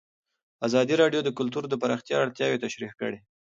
ازادي راډیو د کلتور د پراختیا اړتیاوې تشریح کړي.